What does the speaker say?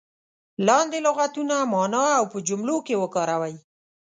لاندې لغتونه معنا او په جملو کې وکاروئ.